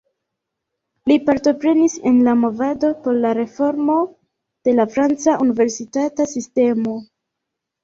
Li partoprenis en la movado por la reformo de la franca universitata sistemo.